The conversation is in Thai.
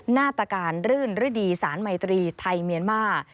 นาตการรื่นฤดีสารไมตรีไทยเมียนมาร์